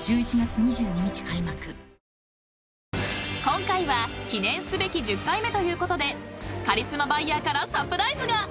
［今回は記念すべき１０回目ということでカリスマバイヤーからサプライズが！］